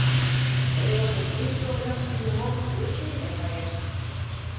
プレーオフ進出を目指すチームも苦しい連敗です。